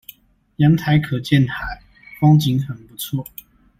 陽台可見海，風景很不錯